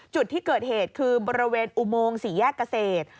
จุดที่เกิดเหตุคือบริเวณอุโมงสี่แยกเกษตร